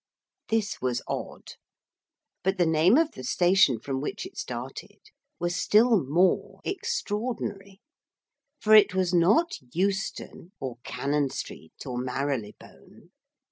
_' This was odd but the name of the station from which it started was still more extraordinary, for it was not Euston or Cannon Street or Marylebone.